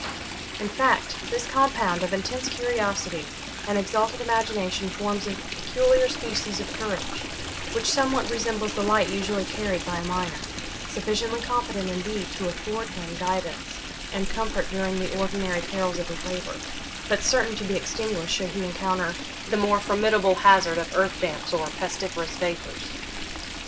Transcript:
In fact, this compound of intense curiosity and exalted imagination forms a peculiar species of courage, which somewhat resembles the light usually carried by a miner sufficiently competent, indeed, to afford him guidance and comfort during the ordinary perils of his labour, but certain to be extinguished should he encounter the more formidable hazard of earth damps or pestiferous vapours.